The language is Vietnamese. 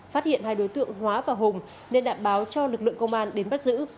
phát hiện hai đối tượng hóa và hùng nên đã báo cho lực lượng công an đến bắt giữ